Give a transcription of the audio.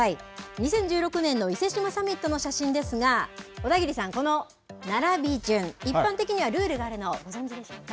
２０１６年の伊勢志摩サミットの写真ですが、小田切さん、この並び順、一般的にはルールがあるのをご存じでしょうか。